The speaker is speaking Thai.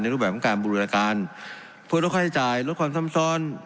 รูปแบบของการบูรณาการเพื่อลดค่าใช้จ่ายลดความซ้ำซ้อน